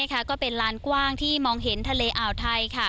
ก็เป็นลานกว้างที่มองเห็นทะเลอ่าวไทย